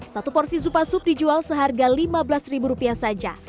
satu porsi supa sup dijual seharga lima belas ribu rupiah saja